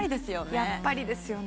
やっぱりですよね。